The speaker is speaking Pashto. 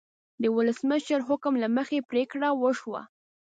د ولسمشر حکم له مخې پریکړه وشوه.